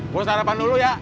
gue sarapan dulu ya